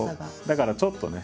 だからちょっとね